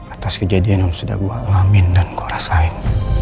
atas kejadian yang sudah gue alamin dan kau rasain